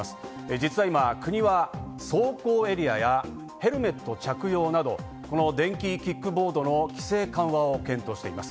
実は今、国は走行エリアやヘルメット着用など電動キックボードの規制緩和を検討しています。